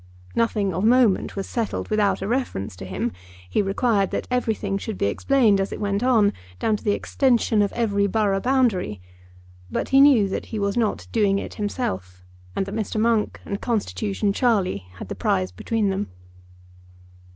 Nothing of moment was settled without a reference to him. He required that everything should be explained as it went on, down to the extension of every borough boundary; but he knew that he was not doing it himself, and that Mr. Monk and Constitution Charlie had the prize between them.